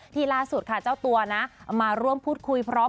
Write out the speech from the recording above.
ล่าสุดค่ะเจ้าตัวนะมาร่วมพูดคุยพร้อม